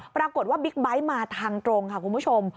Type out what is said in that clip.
ปรากฏว่าบิ๊กไบท์มาทางตรงค่ะคุณผู้ชม